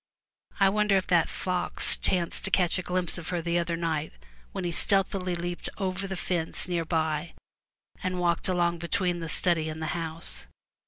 I wonder if that fox chanced to catch a glimpse of her the other night v/hen he stealthily leaped over the fence near by and walked along between the study and the house?